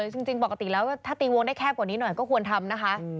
จริงก็ถือวงได้แคบนิดหน่อยก็ควรทำ